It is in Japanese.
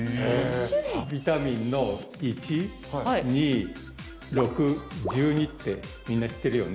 ビタミンの１２６１２ってみんな知ってるよね？